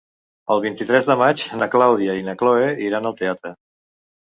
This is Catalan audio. El vint-i-tres de maig na Clàudia i na Cloè iran al teatre.